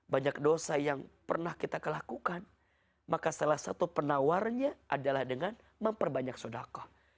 banyak dosa yang pernah kita kelakukan maka salah satu penawarnya adalah dengan memperbanyak sodakoh